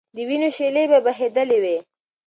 د وینو شېلې به بهېدلې وي.